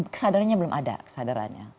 kesadarannya belum ada